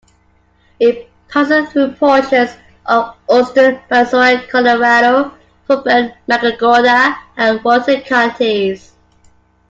It passes through portions of Austin, Brazoria, Colorado, Fort Bend, Matagorda and Wharton counties.